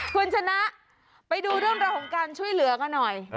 คุณชนะไปดูเรื่องราวของการช่วยเหลือกันหน่อย